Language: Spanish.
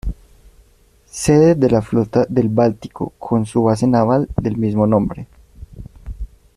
Sede de la Flota del Báltico con su base naval del mismo nombre.